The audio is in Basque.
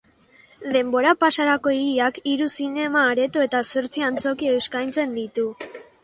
Denbora-pasarako hiriak, hiru zinema-areto eta zortzi antzoki eskaintzen ditu.